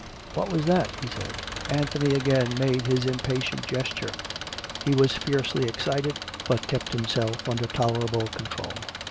" What was that ?" he said. Anthony again made his impatient gesture. He was fiercely excited; but kept himself under tolerable control.